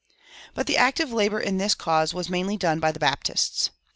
But the active labor in this cause was mainly done by the Baptists.